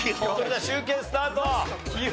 それでは集計スタート。